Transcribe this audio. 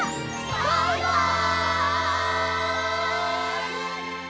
バイバイ！